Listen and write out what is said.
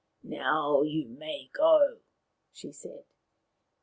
" Now you may go," she said.